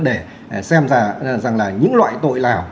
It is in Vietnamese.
để xem ra rằng là những loại tội nào